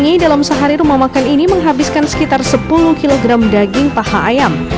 jadi dalam sehari rumah makan ini menghabiskan sekitar sepuluh kg daging paha ayam